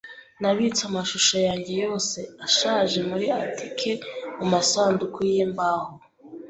Nabitse amashusho yanjye yose ashaje muri atike mumasanduku yimbaho.